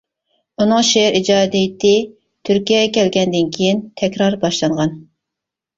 ئۇنىڭ شېئىر ئىجادىيىتى تۈركىيەگە كەلگەندىن كىيىن تەكرار باشلانغان.